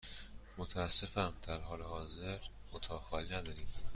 متأسفم، در حال حاضر اتاق خالی نداریم.